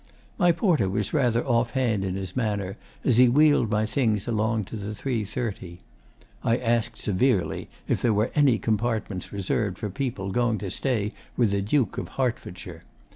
My porter was rather off hand in his manner as he wheeled my things along to the 3.30. I asked severely if there were any compartments reserved for people going to stay with the Duke of Hertfordshire.